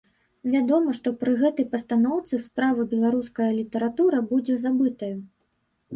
Вядома, што пры гэтакай пастаноўцы справы беларуская літаратура будзе забытаю.